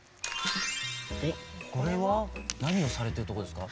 おっこれは？何をされてるとこですか？